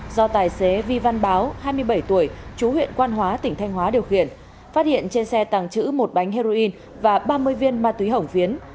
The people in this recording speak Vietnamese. do tài xế vi văn báo hai mươi bảy tuổi chú huyện quan hóa tỉnh thanh hóa điều khiển phát hiện trên xe tàng trữ một bánh heroin và ba mươi viên ma túy hổng phiến